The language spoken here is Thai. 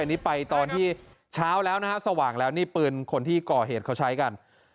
อันนี้ไปตอนที่เช้าแล้วนะฮะสว่างแล้วนี่ปืนคนที่ก่อเหตุเขาใช้กัน